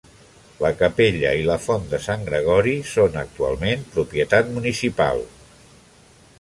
La capella i la font de Sant Gregori són actualment propietat municipal.